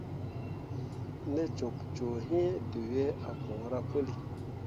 Ne cok cuu hĩĩ, dǝwe ah puura puli.